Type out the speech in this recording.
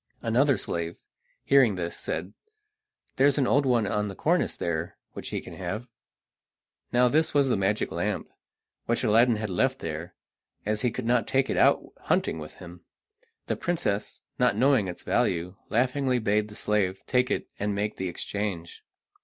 Another slave, hearing this, said: "There is an old one on the cornice there which he can have." Now this was the magic lamp, which Aladdin had left there, as he could not take it out hunting with him. The princess, not knowing its value, laughingly bade the slave take it and make the exchange.